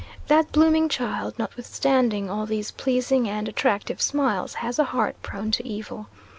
that blooming child, notwithstanding all these pleasing and attractive smiles, has a heart prone to evil.